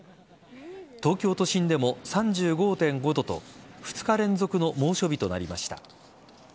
東京都心でも３５．５度と２日連続の猛暑日となりました。